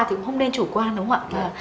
thì cũng không nên chủ quan đúng không ạ